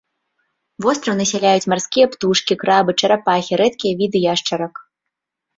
Востраў насяляюць марскія птушкі, крабы, чарапахі, рэдкія віды яшчарак.